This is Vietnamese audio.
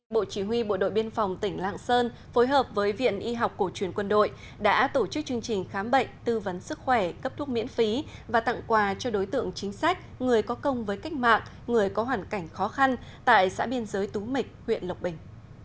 bộ chỉ huy bộ đội biên phòng tỉnh lạng sơn phối hợp với viện y học cổ truyền quân đội đã tổ chức chương trình khám bệnh tư vấn sức khỏe cấp thuốc miễn phí và tặng quà cho đối tượng chính sách người có công với cách mạng người có hoàn cảnh khó khăn tại xã biên giới tú mịch huyện lộc bình